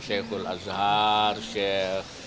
syekhul azhar syekh apa namanya